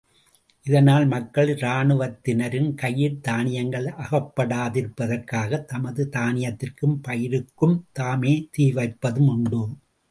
இதனால் மக்கள் இராணுவத்தினரின் கையிற் தானியங்கள் அகப்படாதிருப்பதற்காகத் தமது தானியத்திற்கும் பயிருக்கும் தாமே தீவைப்பதுமுண்டு.